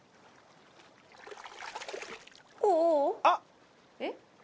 あっ！